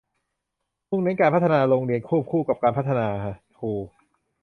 มุ่งเน้นการพัฒนาโรงเรียนควบคู่กับการพัฒนาครู